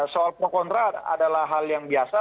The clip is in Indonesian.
soal pro kontra adalah hal yang biasa